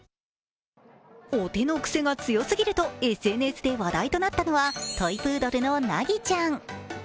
お手の癖が強すぎるとＳＮＳで話題となったのは、トイプードルの凪ちゃん。